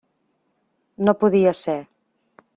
No podia ser.